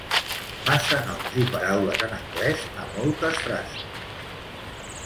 Massa noms i paraules en anglès a moltes frases